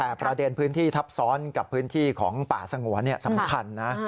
แต่ประเด็นพื้นที่ทับซ้อนกับพื้นที่ของป่าสงวนสำคัญนะ